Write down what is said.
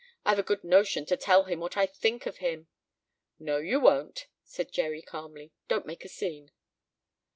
"I've a good notion to tell him what I think of him." "No, you won't," said Jerry calmly. "Don't make a scene."